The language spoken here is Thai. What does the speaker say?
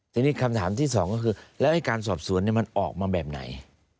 ทีนี้คำถามที่สองก็คือแล้วไอ้การสอบสวนมันออกมาแบบไหน